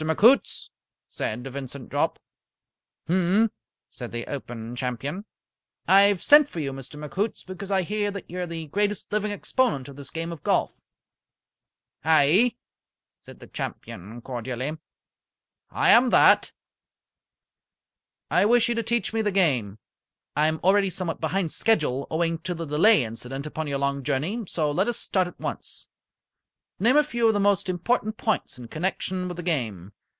McHoots?" said Vincent Jopp. "Mphm!" said the Open Champion. "I have sent for you, Mr. McHoots, because I hear that you are the greatest living exponent of this game of golf." "Aye," said the champion, cordially. "I am that." "I wish you to teach me the game. I am already somewhat behind schedule owing to the delay incident upon your long journey, so let us start at once. Name a few of the most important points in connection with the game.